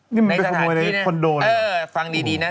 นี่มันเป็นข้อมูลในคอนโดนั้นเหรอคะเออฟังดีนะ